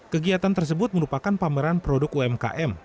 kegiatan tersebut merupakan pameran produk umkm